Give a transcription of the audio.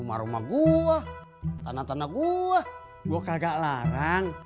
rumah rumah gua tanah tanah gua gua kagak larang